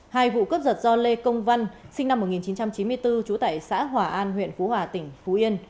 hai vụ cướp giật do lê công văn sinh năm một nghìn chín trăm chín mươi bốn trú tại xã hòa an huyện phú hòa tỉnh phú yên